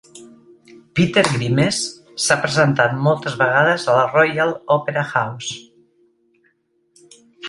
"Peter Grimes" s'ha presentat moltes vegades a la Royal Opera House.